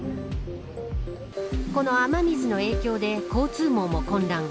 この雨水の影響で交通網も混乱。